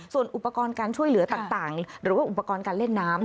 ส่วนอุปกรณ์การช่วยเหลือต่างหรือว่าอุปกรณ์การเล่นน้ำ